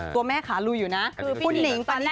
ตัวแม่ขาลุยอยู่นะคือคุณหนิงตอนแรก